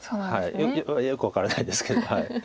よく分からないですけど。